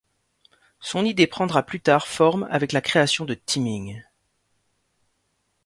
Son idée prendra plus tard forme avec la création de Teaming.